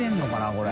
これ。